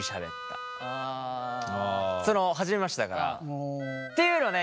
その初めましてだから。っていうのをね